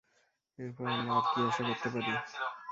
এরপর আমরা আর কি আশা করতে পারি?